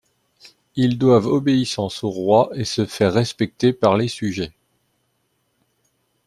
Ils doivent obéissance au roi et se faire respecter par les sujets.